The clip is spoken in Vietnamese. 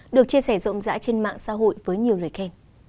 được chia sẻ rộng rãi trên mạng xã hội với nhiều lời khen